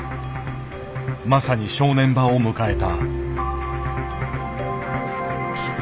まさに正念場を迎えた。